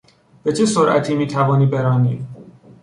به چه سرعتی میتوانی برانی؟